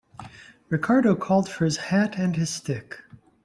Ricardo called for his hat and his stick.